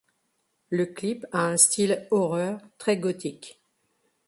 Le clip a un style horreur très gothique.